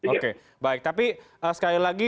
oke baik tapi sekali lagi